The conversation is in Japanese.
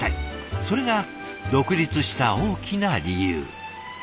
それが独立した大きな理由。